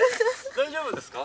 大丈夫ですか？